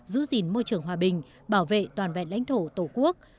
giữ gìn môi trường hòa bình bảo vệ toàn vẹn lãnh thổ tổ quốc